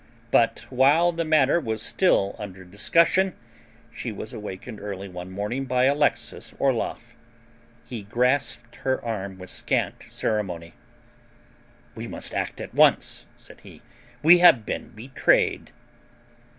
But while the matter was still under discussion she was awakened early one morning by Alexis Orloff. He grasped her arm with scant ceremony. "We must act at once," said he. "We have been betrayed!"